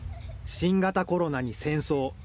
新型コロナに戦争。